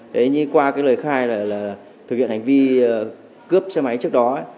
thế nhưng qua lời khai là thực hiện hành vi cướp xe máy trước đó